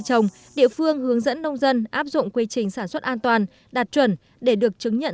trồng địa phương hướng dẫn nông dân áp dụng quy trình sản xuất an toàn đạt chuẩn để được chứng nhận